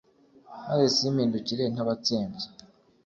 maze simpindukire ntabatsembye